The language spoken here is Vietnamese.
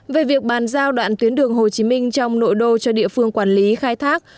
về việc bàn giao đoạn tuyến đường hồ chí minh trong nội đô cho địa phương quản lý khai thác